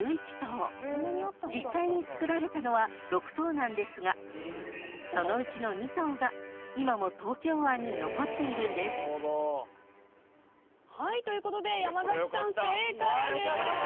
［実際につくられたのは６島なんですがそのうちの２島が今も東京湾に残っているんです］ということで山崎さん正解です。